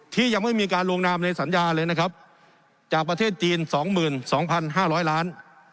ที่ยังไม่มีการลงน้ำในสัญญาณเลยนะครับจากประเทศจีนสองหมื่นสองพันห้าร้อยล้าน